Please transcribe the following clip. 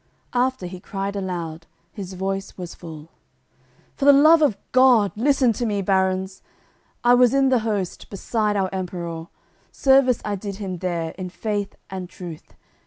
After, he cried aloud; his voice was full: "For th' Love of God, listen to me, baruns! I was in th' host, beside our Emperour, Service I did him there in faith and truth.